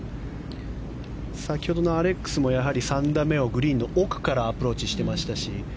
先ほどのアレックスもやはり３打目をグリーンの奥からアプローチしていましたし。